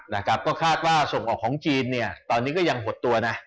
นะครับก็คาดว่าส่งออกของจีนเนี่ยตอนนี้ก็ยังหดตัวนะ